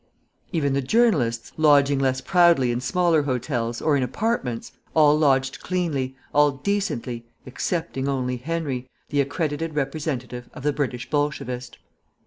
Even the journalists, lodging less proudly in smaller hotels, or in apartments, all lodged cleanly, all decently, excepting only Henry, the accredited representative of the British Bolshevist.